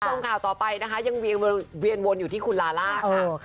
ส่งข่าวต่อไปนะคะยังเวียนวนอยู่ที่คุณลาร่าค่ะ